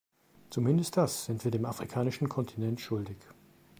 Zumindest das sind wir dem afrikanischen Kontinent schuldig.